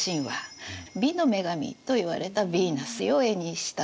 美の女神といわれた「ヴィーナス」を絵にしたと。